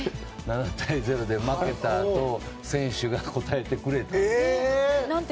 ７対０で負けたあと選手が答えてくれたんです。